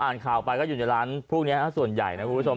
อ่านข่าวไปก็อยู่ในร้านพวกนี้ส่วนใหญ่นะคุณผู้ชม